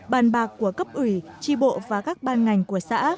bàn bạc của cấp ủy tri bộ và các ban ngành của xã